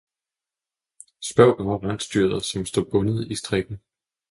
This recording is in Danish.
spørg bare rensdyret, som står bundet i strikken.